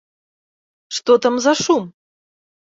Што там за шум?